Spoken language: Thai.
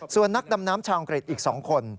ส่วนนักดำน้ำชาวอังกฤษอีก๒คน